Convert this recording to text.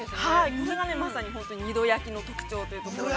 ◆それがまさに二度焼きの特徴といいますか。